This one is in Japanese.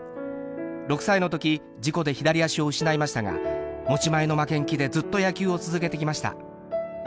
６歳の時事故で左足を失いましたが持ち前の負けん気でずっと野球を続けてきました。